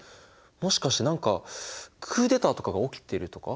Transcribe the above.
もしかして何かクーデターとかが起きてるとか？